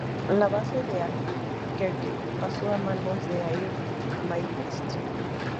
La base de Albuquerque pasó a manos de Air Midwest.